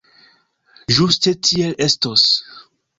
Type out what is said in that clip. Ĝuste tiel estos.